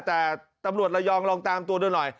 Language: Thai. แต่ตำรวจระยองลองตามตัวดูหน่อย